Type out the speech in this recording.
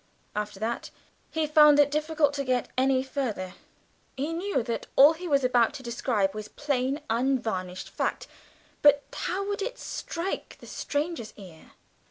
After that he found it difficult to get any further; he knew himself that all he was about to describe was plain, unvarnished fact but how would it strike a stranger's ear?